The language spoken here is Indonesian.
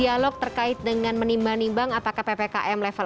yang miss di mana ya